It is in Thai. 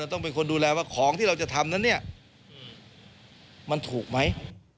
ต้องเป็นคนดูแลว่าของที่เราจะทำนั้นเนี่ยมันถูกไหม